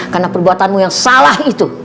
karena perbuatanmu yang salah itu